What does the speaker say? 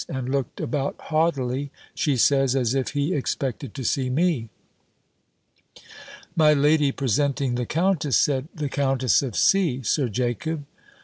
and looked about haughtily, she says, as if he expected to see me. My lady presenting the countess, said, "The Countess of C., Sir Jacob!"